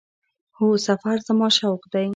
هو، سفر زما شوق دی